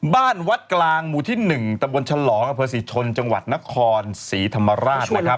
บ้านวัดกลางหมู่ที่๑ตะบนฉลองอำเภอศรีชนจังหวัดนครศรีธรรมราชนะครับ